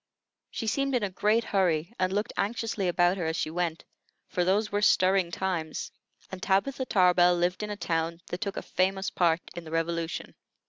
She seemed in a great hurry, and looked anxiously about her as she went; for those were stirring times, and Tabitha Tarbell lived in a town that took a famous part in the Revolution.